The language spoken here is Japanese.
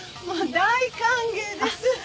もう大歓迎です。